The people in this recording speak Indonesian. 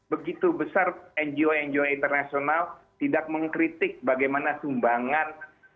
begitu besar ngo ngo internasional tidak mengkritik bagaimana sumbangan